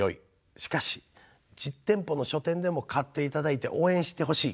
しかし実店舗の書店でも買っていただいて応援してほしい。